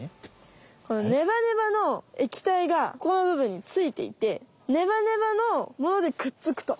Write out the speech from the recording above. このネバネバのえきたいがこのぶぶんについていてネバネバのものでくっつくと。